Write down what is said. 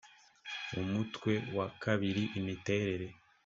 umutwe wa kabiri imiterere